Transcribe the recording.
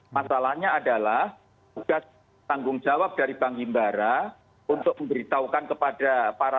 masalahnya adalah tugas tanggung jawab dari bank himbara